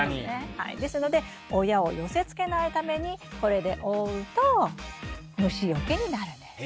ですので親を寄せつけないためにこれで覆うと虫よけになるんです。